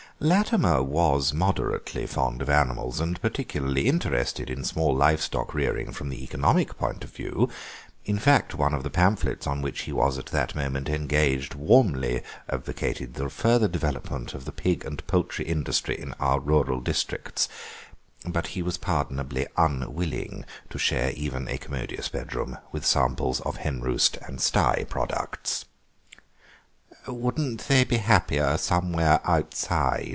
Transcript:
Latimer was moderately fond of animals, and particularly interested in small livestock rearing from the economic point of view; in fact, one of the pamphlets on which he was at that moment engaged warmly advocated the further development of the pig and poultry industry in our rural districts; but he was pardonably unwilling to share even a commodious bedroom with samples of henroost and stye products. "Wouldn't they be happier somewhere outside?"